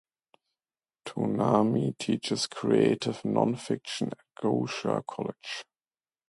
Toumani teaches creative nonfiction at Goucher College.